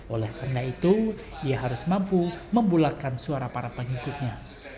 oleh karena itu ia harus mampu membulatkan suara para pengikutnya